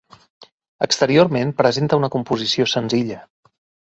Exteriorment presenta una composició senzilla.